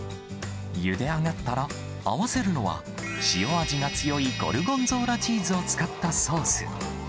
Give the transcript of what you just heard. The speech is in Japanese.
ゆで上がったら、合わせるのは塩味が強いゴルゴンゾーラチーズを使ったソース。